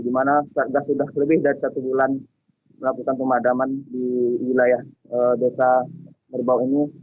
di mana satgas sudah lebih dari satu bulan melakukan pemadaman di wilayah desa merbau ini